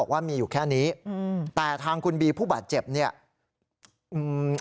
ว่ามีอยู่แค่นี้อืมแต่ทางคุณบีผู้บาดเจ็บเนี้ยอืม